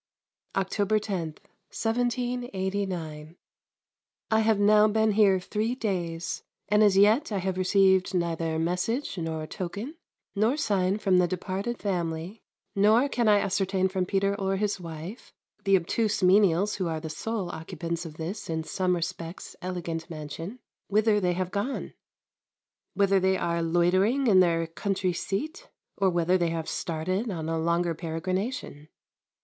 October 10, 1789. I have now been here three days, and as yet I have received neither message, nor token, nor sign from the departed family, nor can I ascertain from Peter or his wife, the obtuse menials who are the sole occupants of this in some respects elegant mansion, whither they have gone: whether they are loitering in their country seat, or whether they have started on a longer peregrination.